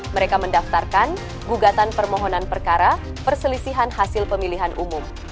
mereka mendaftarkan gugatan permohonan perkara perselisihan hasil pemilihan umum